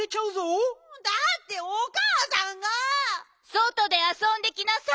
そとであそんできなさい！